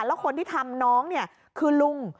แล้วคนที่ทำน้องเนี่ยคือลุง